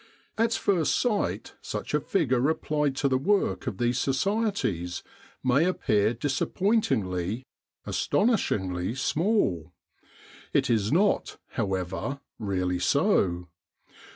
At first sight such a figure applied to the work of these societies may appear disappointingly, astonishingly small. It is not, however, really so.